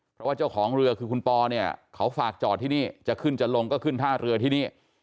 เพราะว่าเจ้าของเรือคือคุณปอเนี่ยเขาฝากจอดที่นี่จะขึ้นจะลงก็ขึ้นท่าเรือที่นี่